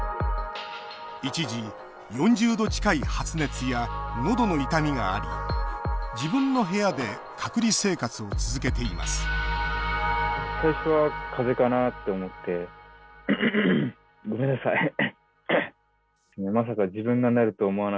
一時、４０度近い発熱やのどの痛みがあり自分の部屋で隔離生活を続けていますごめんなさい。